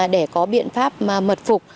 để có biện pháp mật phục